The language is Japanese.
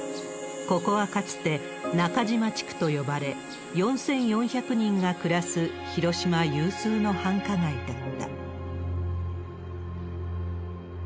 ここはかつて中島地区と呼ばれ、４４００人が暮らす、広島有数の繁華街だった。